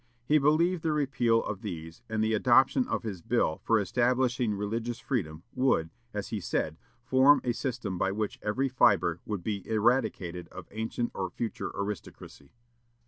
He believed the repeal of these, and the adoption of his bill "for establishing religious freedom," would, as he said, form a system by which every fibre would be eradicated of ancient or future aristocracy.